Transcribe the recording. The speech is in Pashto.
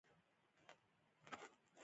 خو د دواړو تکامل د پیچلتیا سبب شو.